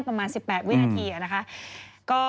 ประมาณ๑๘วินาทีนะคะ